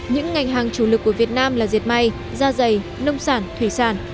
những ngành hàng chủ lực của việt nam là diệt may da dày nông sản thủy sản